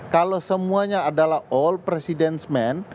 kalau semuanya adalah all presidentsmen